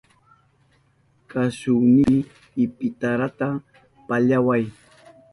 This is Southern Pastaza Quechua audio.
Kashuynipi ipitarata pallaway.